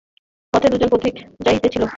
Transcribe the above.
পথে দুইজন পথিক যাইতেছিল।